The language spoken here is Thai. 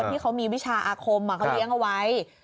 ที่เขามีวิชาอาคมเขาเลี้ยงเอาไว้